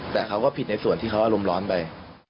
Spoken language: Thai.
แต่เขาก็ผิดในส่วนที่เขาอารมณ์ร้อนไป